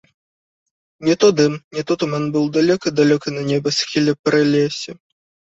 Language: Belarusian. Не то дым, не то туман быў далёка-далёка на небасхіле, пры лесе.